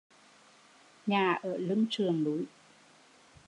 Nhà ở lưng sườn núi